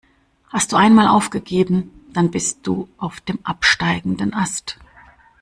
Hast du einmal aufgegeben, dann bist du auf dem absteigenden Ast.